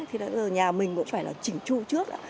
thì nhà mình cũng phải là chỉnh chu trước